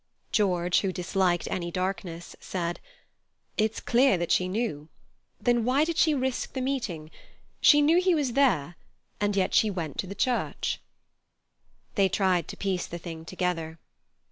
George, who disliked any darkness, said: "It's clear that she knew. Then, why did she risk the meeting? She knew he was there, and yet she went to church." They tried to piece the thing together.